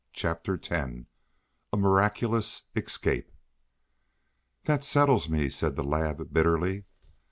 CHAPTER X A MIRACULOUS ESCAPE "That settles me!" said the lad bitterly.